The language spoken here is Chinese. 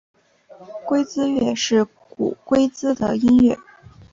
龟兹乐是古龟兹的音乐。